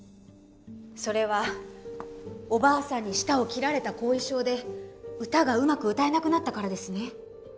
それはおばあさんに舌を切られた後遺症で歌がうまく歌えなくなったからですね？